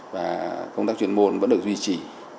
và công tác chuyên môn vẫn được duy trì